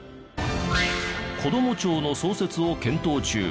こども庁の創設を検討中。